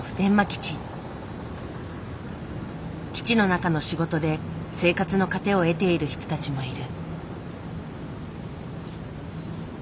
基地の中の仕事で生活の糧を得ている人たちもいる。